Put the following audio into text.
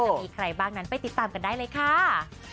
จะมีใครบ้างนั้นไปติดตามกันได้เลยค่ะ